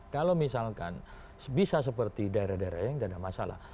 kalau misalkan bisa seperti daerah daerah yang tidak ada masalah